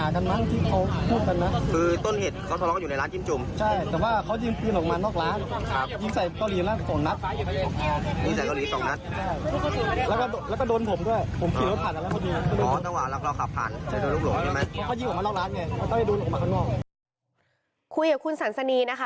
คุยกับคุณสันสนีนะคะ